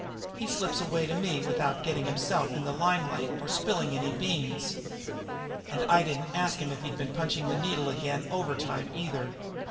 He slips away to me without getting himself in the limelight or spilling any beans. And I didn't ask him if he'd been punching the needle again overtime, either.